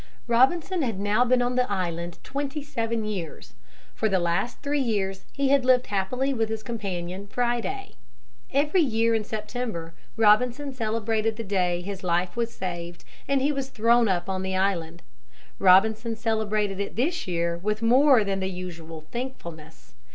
Robinson had now been on the island twenty seven years. For the last three years he had lived happily with his companion Friday. Every year in September, Robinson celebrated the day his life was saved and he was thrown up on the island. Robinson celebrated it this year with more than the usual thankfulness.